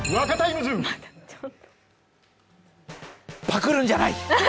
パクるんじゃない。